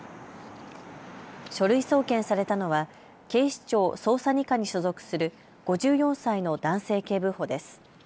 書類送検されたのは警視庁捜査２課に所属する５４歳の男性警部補です。